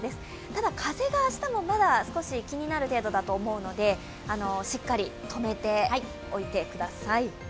ただ、風が明日もまた少し気になる程度だと思うのでしっかり留めておいてください。